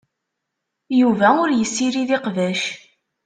Yuba ur yessirid iqbac.